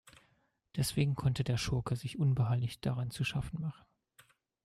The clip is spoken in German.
Deswegen konnte der Schurke sich unbehelligt daran zu schaffen machen.